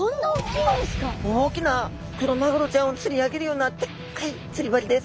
大きなクロマグロちゃんを釣り上げるようなでっかい釣り針です。